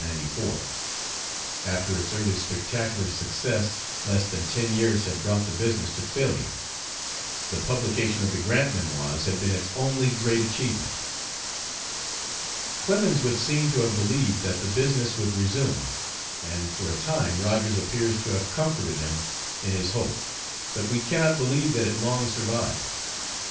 After its early spectacular success less than ten years had brought the business to failure. The publication of the Grant memoirs had been its only great achievement. Clemens would seem to have believed that the business would resume, and for a time Rogers appears to have comforted him in his hope, but we cannot believe that it long survived.